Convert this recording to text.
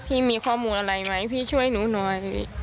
อ่ะพี่มีข้อมูลอะไรไหมพี่ช่วย